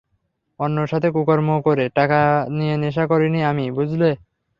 অন্যের সাথে কুকর্ম করে টাকা নিয়ে নেশা করিনি আমি, বুঝলে?